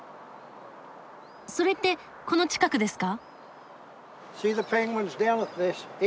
それってこの近くですか？